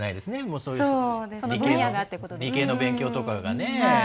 そういう理系の勉強とかが。